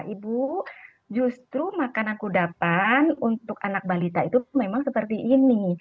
ibu justru makanan kudapan untuk anak balita itu memang seperti ini